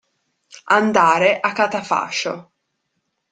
Andare a catafascio.